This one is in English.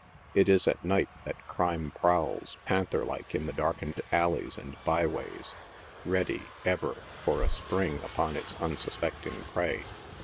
It is at night that crime prowls, panther like, in the darkened alleys and by ways, ready, ever, for a spring upon its unsuspecting prey.